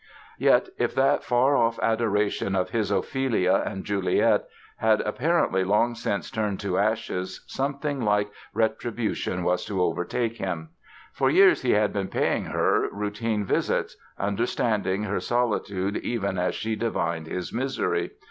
Yet if that far off adoration of his Ophelia and Juliet had, apparently, long since turned to ashes something like retribution was to overtake him. For years he had been paying her routine visits, understanding her solitude even as she divined his misery.